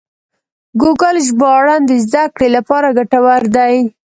ګوګل ژباړن د زده کړې لپاره ګټور دی.